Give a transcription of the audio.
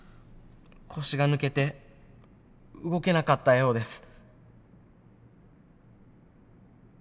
腰が抜けて動けなかったようです。